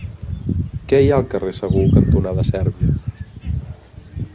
Què hi ha al carrer Segur cantonada Sèrbia?